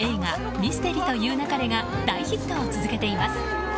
「ミステリと言う勿れ」が大ヒットを続けています。